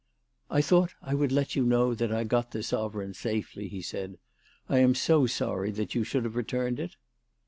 " I thought I would let you know that I got the sovereign safely," he said. " I am so sorry that you should have returned it."